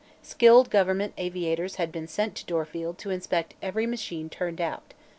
Skilled government aviators had been sent to Dorfield to inspect every machine turned out.